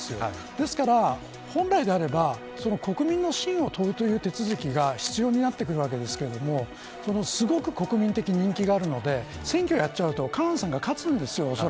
ですから、本来であれば国民の信を問うという手続きが必要になるわけですがすごく国民的人気があるので選挙をやるとおそらくカーン氏が勝つんです。